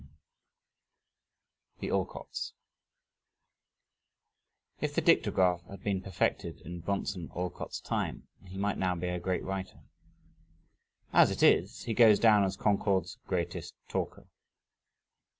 IV "The Alcotts" If the dictagraph had been perfected in Bronson Alcott's time, he might now be a great writer. As it is, he goes down as Concord's greatest talker.